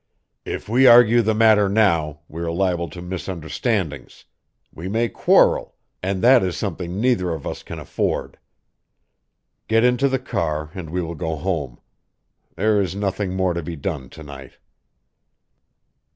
"If we argue the matter now, we are liable to misunderstandings; we may quarrel, and that is something neither of us can afford. Get into the car, and we will go home. There is nothing more to be done to night."